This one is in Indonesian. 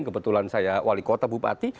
kebetulan saya wali kota bupati